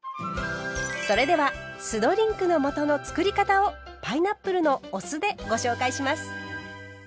それでは酢ドリンクの素のつくり方をパイナップルのお酢でご紹介します。